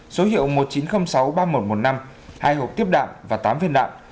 số hiệu một chín không sáu ba một một năm hai hộp tiếp đạm và tám viên đạm